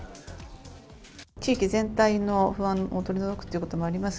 地域全体の不安を取り除くということもあります